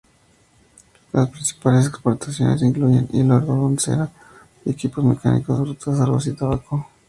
Las principales exportaciones incluyen: hilo de algodón, cera, equipos mecánicos, frutas, arroz y tabaco.